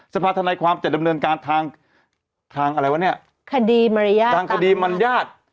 สภาธนาความจะดำเนินการทางทางอะไรวะเนี่ยคดีมารยาททางคดีมัญญาติ